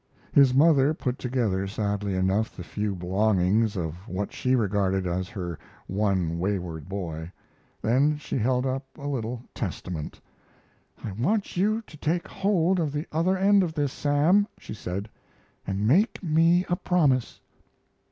His mother put together sadly enough the few belongings of what she regarded as her one wayward boy; then she held up a little Testament: "I want you to take hold of the other end of this, Sam," she said, "and make me a promise."